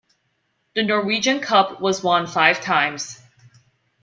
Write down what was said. The Norwegian Cup was won five times.